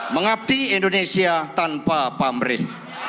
mengabdi indonesia tanpa pamrih